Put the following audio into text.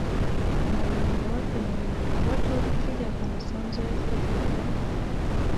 میوندوال په نوي نړیوال جوړښت کې د افغانستان د ځای خوب لیدلی.